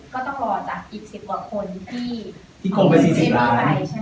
ก็ต้องรอจากอีกสิบกว่าคนที่ที่โครงไปสี่สิบล้านใช่ไหม